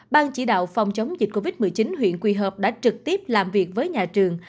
ban chỉ đạo phòng chống dịch covid một mươi chín huyện quỳ hợp đã trực tiếp làm việc với nhà trường